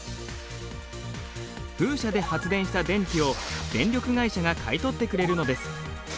風車で発電した電気を電力会社が買い取ってくれるのです。